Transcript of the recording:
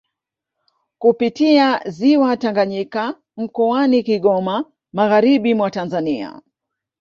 Kupitia ziwa Tanganyika mkoani Kigoma magharibi mwa Tanzania